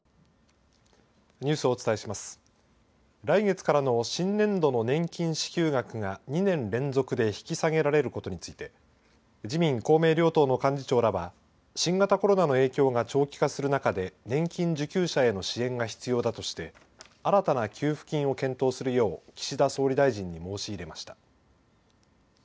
来月からの新年度の年金支給額が、２年連続で引き下げられることについて、自民、公明両党の幹事長らは、新型コロナの影響が長期化する中で、年金受給者への支援が必要だとして、新たな給付金を検討するよう、岸田総理大臣に申し入れました。